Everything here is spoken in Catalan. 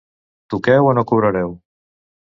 Toqueu o no cobrareu.